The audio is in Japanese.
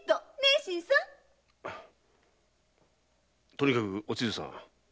とにかくお千津さん